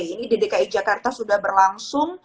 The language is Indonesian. ini ddki jakarta sudah berlangsung